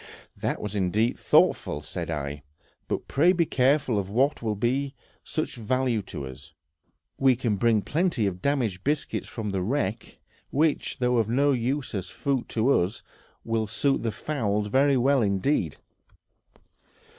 "That was indeed thoughtful," said I; "but pray be careful of what will be of such value to us; we can bring plenty of damaged biscuits from the wreck, which, though of no use as food for us, will suit the fowls very well indeed."